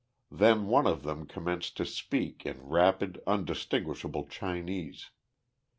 Then one of them commenced to speak in rapid, undistinguishable Chinese.